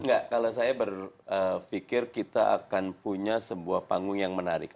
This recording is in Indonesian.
enggak kalau saya berpikir kita akan punya sebuah panggung yang menarik